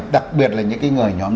đặc biệt là những cái người nhóm